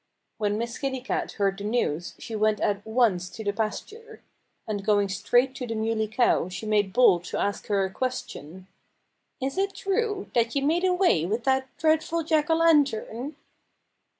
When Miss Kitty Cat heard the news she went at once to the pasture. And going straight to the Muley Cow she made bold to ask her a question: "Is it true that you made away with that dreadful Jack O'Lantern?"